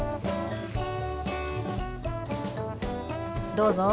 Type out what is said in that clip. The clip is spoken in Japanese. どうぞ。